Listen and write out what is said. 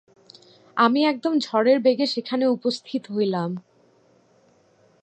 আমি একদমে ঝড়ের বেগে সেখানে উপস্থিত হইলাম।